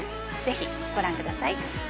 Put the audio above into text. ぜひご覧ください。